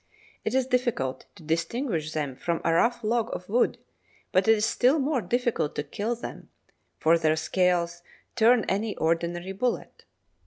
It is difficult to distinguish them from a rough log of wood, but it is still more difficult to kill them, for their scales turn any ordinary bullet.